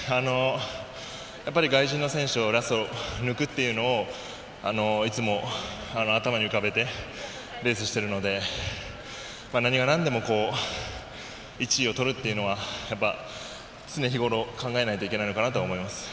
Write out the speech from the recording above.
外国人の選手をラスト、抜くっていうのをいつも頭に浮かべてレースをしているので何がなんでも１位をとるっていうのはやっぱり、常日頃考えないといけないのかなと思います。